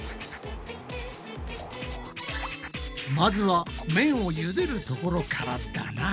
まずは麺をゆでるところからだな。